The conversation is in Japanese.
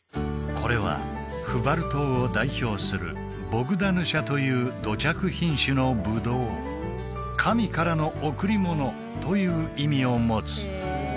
これはフヴァル島を代表するボグダヌシャという土着品種のブドウという意味を持つ